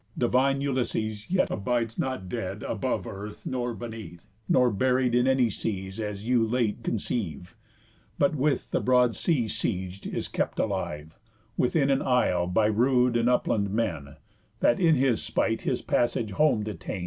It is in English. Divine Ulysses, yet, abides not dead Above earth, nor beneath, nor buried In any seas, as you did late conceive, But, with the broad sea sieg'd, is kept alive Within an isle by rude and upland men, That in his spite his passage home detain.